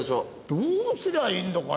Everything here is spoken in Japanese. どうすりゃいいのかね？